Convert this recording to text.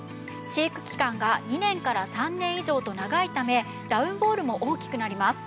飼育期間が２年から３年以上と長いためダウンボールも大きくなります。